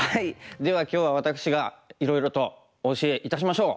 では今日は私がいろいろとお教えいたしましょう。